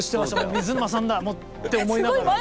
「水沼さんだ」って思いながら。